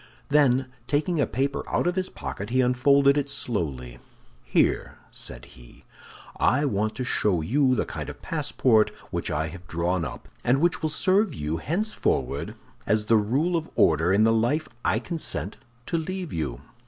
Then taking a paper out of his pocket, he unfolded it slowly. "Here," said he, "I want to show you the kind of passport which I have drawn up, and which will serve you henceforward as the rule of order in the life I consent to leave you."